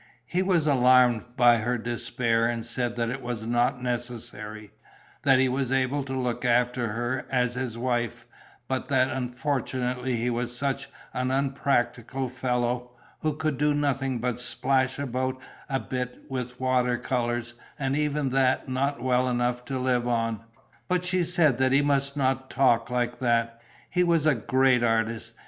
He was alarmed by her despair and said that it was not necessary, that he was able to look after her as his wife, but that unfortunately he was such an unpractical fellow, who could do nothing but splash about a bit with water colours and even that not well enough to live on. But she said that he must not talk like that; he was a great artist.